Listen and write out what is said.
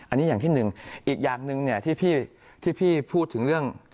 อันนี้อย่างที่หนึ่งอีกอย่างหนึ่งเนี่ยที่พี่พูดถึงเรื่อง